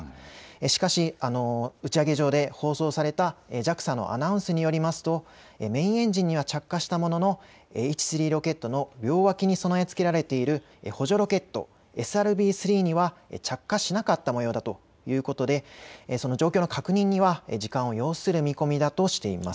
しかし打ち上げ場で放送されたＪＡＸＡのアナウンスによりますと、メインエンジンには着火したもののＨ３ロケットの両脇に備えつけられている補助ロケット、ＳＲＢ−３には着火しなかったもようだということでその状況の確認には時間を要する見込みだとしています。